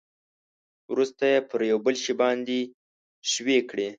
ورسته یې پر یو بل شي باندې ښوي کړئ.